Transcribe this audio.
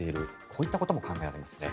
こういったことも考えられますね。